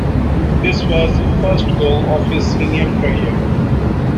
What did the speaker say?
This was the first goal of his senior career.